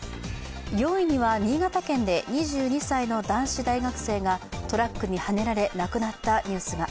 ４位には新潟県で２２歳の男子大学生が、トラックにはねられ亡くなったニュースが。